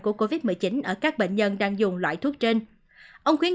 của covid một mươi chín ở các bệnh nhân đang dùng loại thuốc trên